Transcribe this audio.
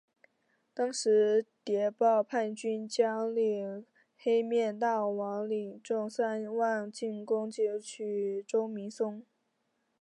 当时谍报叛军将领黑面大王领众三万进攻截取周明松。